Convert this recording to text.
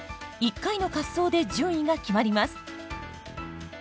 １回の滑走で順位が決まります。